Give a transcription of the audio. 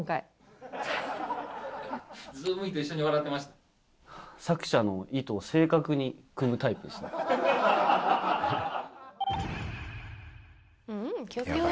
ズームインと一緒に笑ってま作者の意図を正確にくむタイプですね。